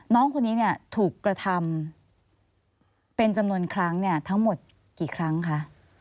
น้องคนนี้เนี่ยถูกกระทำเป็นจำนวนครั้งเนี่ยทั้งหมดกี่ครั้งคะ